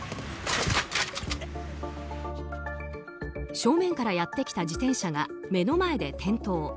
正面からやってきた自転車が目の前で転倒。